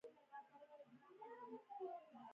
دا اړوندو ادارو ته د اجرا وړ وي.